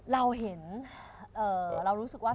เราเห็นเรารู้สึกว่า